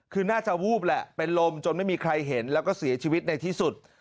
คือน่าจะวูบแหละเป็นลมจนไม่มีใครเห็นแล้วก็เสียชีวิตในที่สุด